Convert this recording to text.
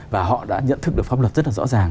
và họ đã nhận thức được pháp luật rất là rõ ràng